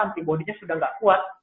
antibody nya sudah tidak kuat